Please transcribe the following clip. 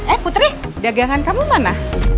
eh putri dagangan kamu mana